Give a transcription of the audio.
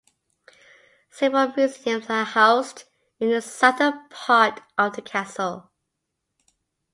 Several museums are housed in the southern part of the castle.